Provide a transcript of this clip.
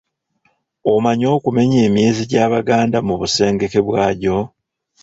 Omanyi okumenya emyezi gy'Abaganda mu busengeke bwagyo?